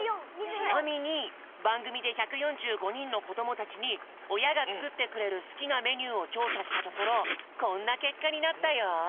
ちなみにばんぐみで１４５にんのこどもたちにおやがつくってくれるすきなメニューをちょうさしたところこんなけっかになったよ！